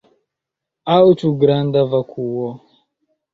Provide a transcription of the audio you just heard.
Aŭ ĉu granda vakuo?